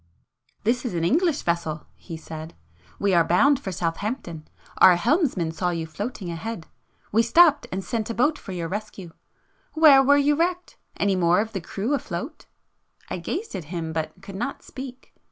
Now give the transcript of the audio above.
"This is an English vessel," he said—"We are bound for Southampton. Our helmsman saw you floating ahead,—we stopped and sent a boat for rescue. Where were you wrecked? Any more of the crew afloat?" I gazed at him, but could not speak.